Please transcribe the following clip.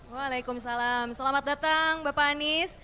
waalaikumsalam selamat datang bapak anies